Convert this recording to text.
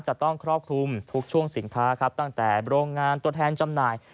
จะต้องครอบคลุมทุกช่วงสินค้าครับตั้งแต่โรงงานตัวแทนจำหน่าย